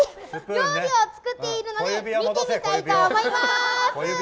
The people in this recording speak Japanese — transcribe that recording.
料理を作っているので見てみたいと思います！